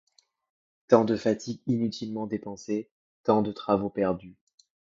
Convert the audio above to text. Tant de fatigues inutilement dépensées, tant de travaux perdus!